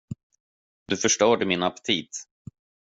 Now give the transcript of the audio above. Du förstörde min aptit.